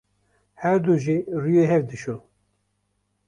Her du jî rûyê hev dişon.